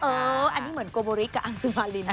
เอออันนี้เหมือนโกโบริกกับอังสุภาริน